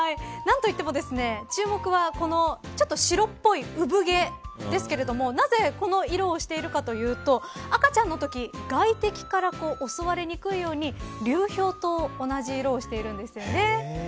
何といっても注目はこのちょっと白っぽい産毛ですけれどもなぜこの色をしているかというと赤ちゃんのとき外敵から襲われにくいように流氷と同じ色をしているんですよね。